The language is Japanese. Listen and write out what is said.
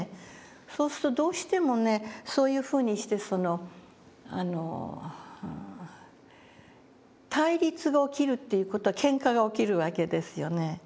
そうするとどうしてもねそういうふうにして対立が起きるっていう事はけんかが起きるわけですよね。